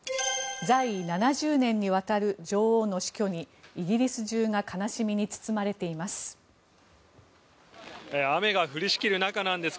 在位７０年にわたる女王の死去にイギリス中が悲しみに包まれています。